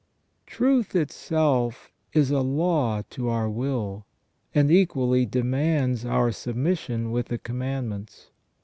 * Truth itself is a law to our will, and equally demands our sub mission with the commandments.